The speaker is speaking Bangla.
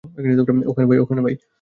ওখানে, ভাই।